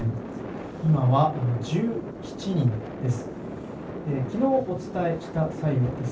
今は１７人です。